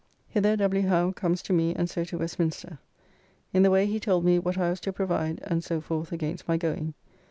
Hither W. Howe comes to me and so to Westminster. In the way he told me, what I was to provide and so forth against my going.